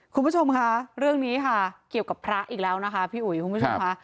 คุณผู้ชมคะเรื่องนี้คะเกี่ยวกับพระอีกแล้วนะคะครับ